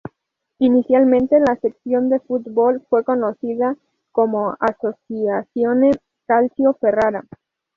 Inicialmente, la sección de fútbol fue conocida como "Associazione Calcio Ferrara".